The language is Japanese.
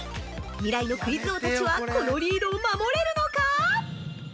未来のクイズ王たちはこのリードを守れるのか！？